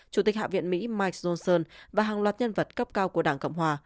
chủ tịch hạ viện mỹ mike johnson và hàng loạt nhân vật cấp cao của đảng cộng hòa